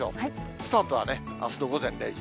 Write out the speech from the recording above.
スタートはあすの午前０時。